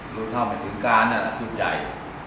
รู้เท่าไม่ถึงการชุดใหญ่